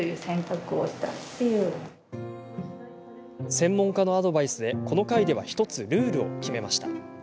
専門家のアドバイスでこの会では１つルールを決めました。